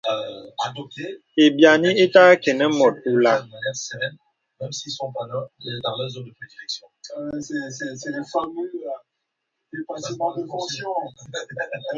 Lbīani ìtà kə nə mùt olā.